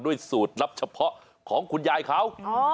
สูตรลับเฉพาะของคุณยายเขา